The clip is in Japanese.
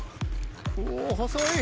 おぉ細い。